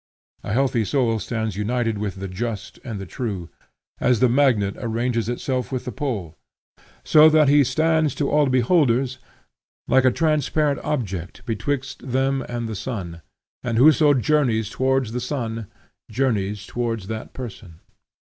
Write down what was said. A healthy soul stands united with the Just and the True, as the magnet arranges itself with the pole; so that he stands to all beholders like a transparent object betwixt them and the sun, and whoso journeys towards the sun, journeys towards that person.